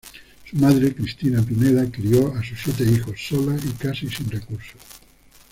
Su madre, Cristina Pineda, crio a sus siete hijos sola y casi sin recursos.